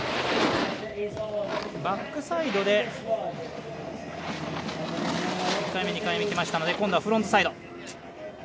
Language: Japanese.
バックサイドで１回目、２回目きましたので今度はフロントサイド。